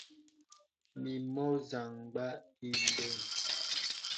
Mì mɔ̄ zàmgbā ìndē.